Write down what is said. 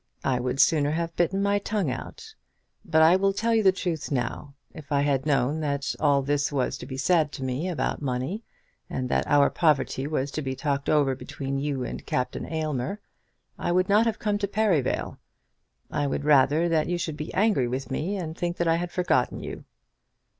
I would sooner have bitten my tongue out. But I will tell you the truth now. If I had known that all this was to be said to me about money, and that our poverty was to be talked over between you and Captain Aylmer, I would not have come to Perivale. I would rather that you should be angry with me and think that I had forgotten you."